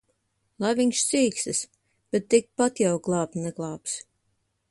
Lai viņš cīkstas! Bet tikpat jau glābt neglābs.